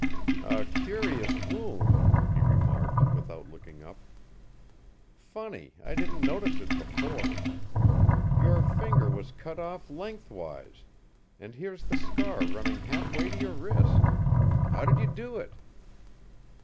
"A curious wound," he remarked, without looking up. "Funny I didn't notice it before. Your finger was cut off lengthwise, and here's the scar running half way to your wrist. How did you do it?"